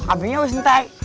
apinya gue sentai